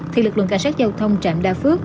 thì lực lượng cảnh sát giao thông trạm đa phước